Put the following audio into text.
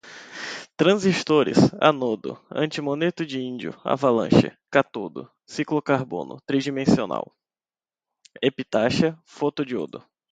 transistores, ânodo, antimoneto de índio, avalanche, cátodo, ciclocarbono, tridimensional, epitaxia, fotodiodo